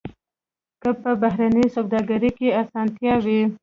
که په بهرنۍ سوداګرۍ کې اسانتیا وي.